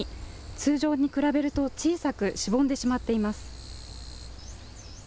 通常に比べると小さくしぼんでしまっています。